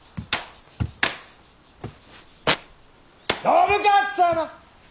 信雄様！